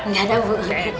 gak ada bu